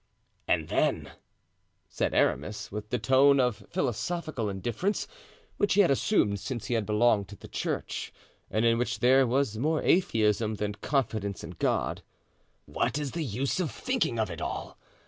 "And then," said Aramis, with the tone of philosophical indifference which he had assumed since he had belonged to the church and in which there was more atheism than confidence in God, "what is the use of thinking of it all?